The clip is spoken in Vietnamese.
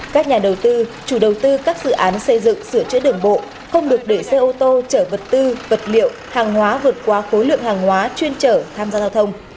các nhà đầu tư chủ đầu tư các dự án xây dựng sửa chữa đường bộ không được để xe ô tô trở vật tư vật liệu hàng hóa vượt qua khối lượng hàng hóa chuyên trở tham gia giao thông